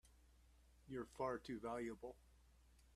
You're far too valuable!